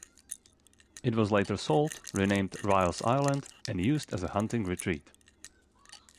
It was later sold, renamed "Riles Island," and used as a hunting retreat.